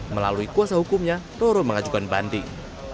melalui kuasa hukumnya roro mengajukan banding